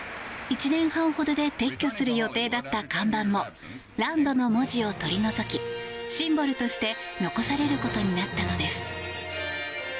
１年半ほどで撤去する予定だった看板も「ＬＡＮＤ」の文字を取り除きシンボルとして残されることになったのです。